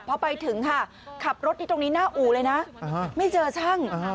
พอไปถึงค่ะขับรถที่ตรงนี้หน้าอู่เลยนะไม่เจอช่าง